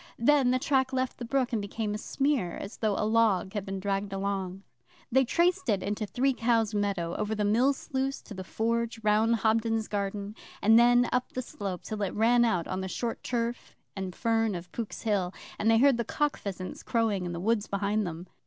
Then the track left the brook and became a smear, as though a log had been dragged along. They traced it into Three Cows meadow, over the mill sluice to the Forge, round Hobden's garden, and then up the slope till it ran out on the short turf and fern of Pook's Hill, and they heard the cock pheasants crowing in the woods behind them.